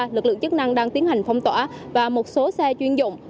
lực lượng chức năng đang tiến hành phong tỏa và một số xe chuyên dụng